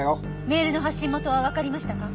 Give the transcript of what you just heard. メールの発信元はわかりましたか？